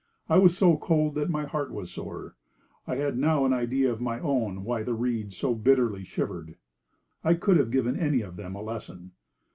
I was so cold that my heart was sore. I had now an idea of my own why the reeds so bitterly shivered. I could have given any of them a lesson.